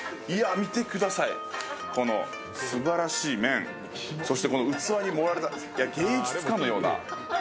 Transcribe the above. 見てください、このすばらしい麺、そしてこの器に盛られた、芸術かのような。